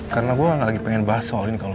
karena gue gak lagi pengen bahas soal ini ke lo